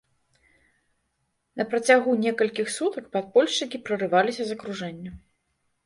На працягу некалькіх сутак падпольшчыкі прарываліся з акружэння.